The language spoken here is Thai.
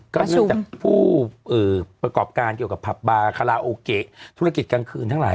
เนื่องจากผู้ประกอบการเกี่ยวกับผับบาคาราโอเกะธุรกิจกลางคืนทั้งหลาย